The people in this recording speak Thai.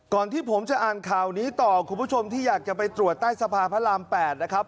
ที่ผมจะอ่านข่าวนี้ต่อคุณผู้ชมที่อยากจะไปตรวจใต้สะพานพระราม๘นะครับ